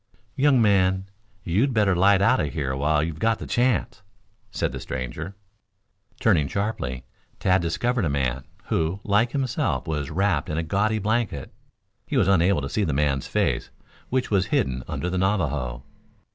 "Young man, you'd better light out of here while you've got the chance," said the stranger. Turning sharply, Tad discovered a man, who, like himself, was wrapped in a gaudy blanket. He was unable to see the man's face, which was hidden under the Navajo.